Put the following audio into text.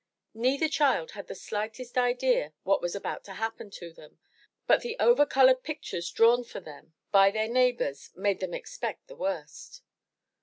Neither child had the slightest idea what was about to happen to them, but the overcolored pictures drawn for them by their 366 THE TREASURE CHEST neighbors, made them expect the worst.